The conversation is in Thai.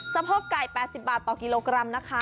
สะโพกไก่๘๐บาทต่อกิโลกรัมนะคะ